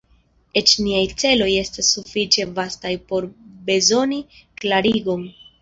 Eĉ niaj celoj estas sufiĉe vastaj por bezoni klarigon.